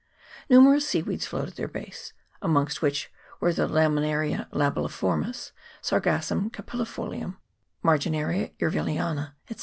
Numerous seaweeds float at their base, amongst which were the Lamina ria flabelliformis, Sargassum carpilli folium, Margi naria urvilliana, &c.